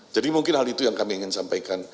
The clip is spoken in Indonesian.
mungkin hal itu yang kami ingin sampaikan